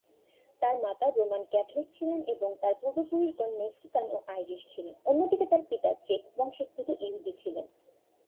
তার মাতা Roman Catholic ছিলেন এবং তার পূর্বপুরুষগণ মেক্সিকান ও আইরিশ ছিলেন; অন্যদিকে তার পিতা চেক বংশোদ্ভূত ইহুদি ছিলেন।